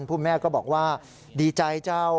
คุณแม่ก็บอกว่าดีใจเจ้า